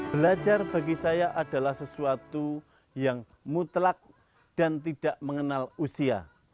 belajar bagi saya adalah sesuatu yang mutlak dan tidak mengenal usia